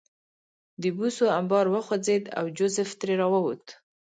د بوسو انبار وخوځېد او جوزف ترې راووت